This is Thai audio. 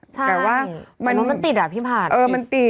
แต่ว่ามันติดอ่ะพี่ผ่าน